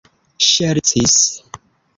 ŝercis